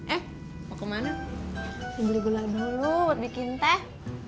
eh mau kemana beli dulu bikin teh